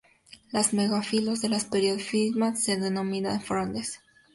Los megafilos de las pteridofitas se denominan frondes.